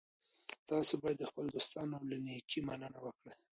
تاسي باید د خپلو دوستانو له نېکۍ مننه وکړئ.